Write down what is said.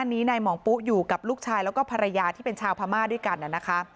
นายหมองปุ๊อยู่กับลูกชายแล้วก็ภรรยาที่เป็นชาวพม่าด้วยกันนะคะ